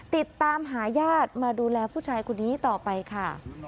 ติดตามหาญาติมาดูแลผู้ชายคนนี้ต่อไปค่ะ